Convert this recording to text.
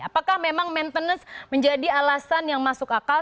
apakah memang maintenance menjadi alasan yang masuk akal